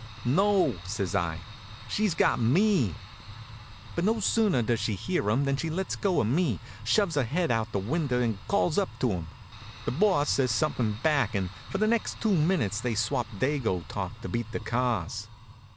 "No," says I; "she's got me." But no sooner does she hear him than she lets go of me, shoves her head out of the window and calls up to him. The Boss says something back and for the next two minutes they swaps Dago talk to beat the cars.